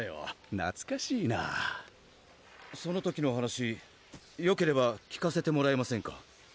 なつかしいなぁその時の話よければ聞かせてもらえませんか？